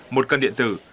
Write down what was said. một cân điện tử